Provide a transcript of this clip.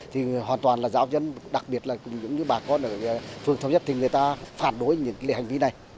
thì hoàn toàn là giáo dân đặc biệt là những bà con ở phường thống nhất thì người ta phản đối những hành vi này